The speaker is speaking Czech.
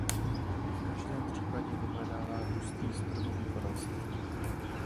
V každém případě vyhledává hustý stromový porost.